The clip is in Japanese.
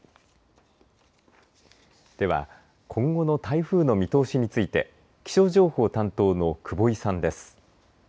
では今後の台風の見通しについて気象情報担当の久保井さんです。